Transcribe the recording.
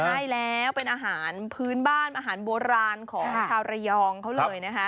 ใช่แล้วเป็นอาหารพื้นบ้านอาหารโบราณของชาวระยองเขาเลยนะคะ